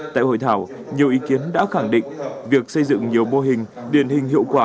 tại hội thảo nhiều ý kiến đã khẳng định việc xây dựng nhiều mô hình điển hình hiệu quả